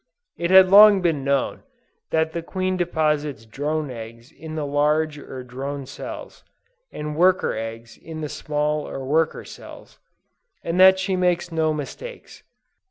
It had long been known, that the Queen deposits drone eggs in the large or drone cells, and worker eggs in the small or worker cells, and that she makes no mistakes.